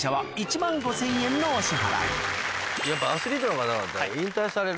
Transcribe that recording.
ちなみにやっぱアスリートの方々は。